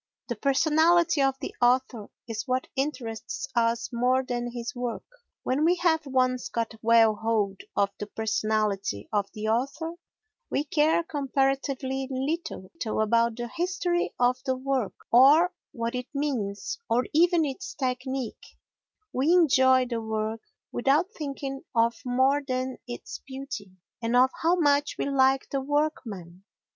The personality of the author is what interests us more than his work. When we have once got well hold of the personality of the author we care comparatively little about the history of the work or what it means or even its technique; we enjoy the work without thinking of more than its beauty, and of how much we like the workman.